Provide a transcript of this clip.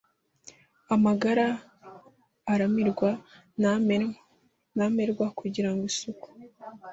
amagara aramirwa ntamerwa), kugira isuku